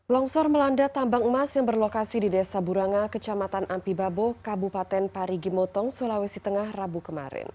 longsor melanda tambang emas yang berlokasi di desa buranga kecamatan ampibabo kabupaten parigi motong sulawesi tengah rabu kemarin